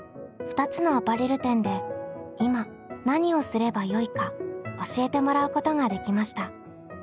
２つのアパレル店で今何をすればよいか教えてもらうことができました。